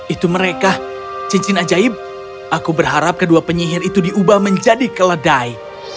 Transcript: itu mereka cincin ajaib aku berharap kedua penyihir itu diubah menjadi keledai